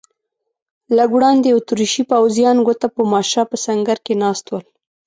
لږ وړاندې اتریشي پوځیان ګوته په ماشه په سنګر کې ناست ول.